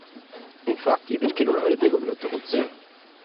Infatti, perché non l’avrebbe condotto con sé?